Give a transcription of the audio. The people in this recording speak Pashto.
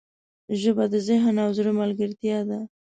ژبه د ذهن او زړه ملګرتیا ده